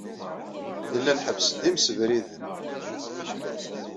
Nella nḥebbes-d imsebriden.